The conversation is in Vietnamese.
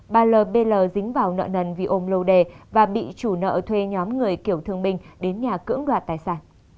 bà l b l dính vào nợ nần vì ôm lâu đề và bị chủ nợ thuê nhóm người kiểu thương minh đến nhà cưỡng đoạt tài sản